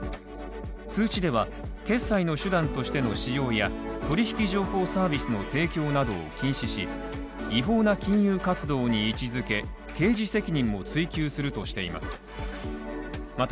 通知では、決済の手段としての使用や取引情報サービスの提供などを禁止し、違法な金融活動に位置づけ、刑事責任を追及するとしています。